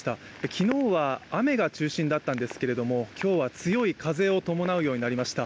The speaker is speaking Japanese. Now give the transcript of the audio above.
昨日は雨が中心だったんですけれども、今日は強い風を伴うようになりました。